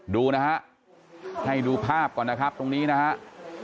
ดูนะฮะให้ดูภาพก่อนนะครับตรงนี้นะครับ